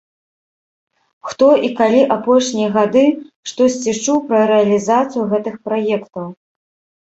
Хто і калі апошнія гады штосьці чуў пра рэалізацыю гэтых праектаў?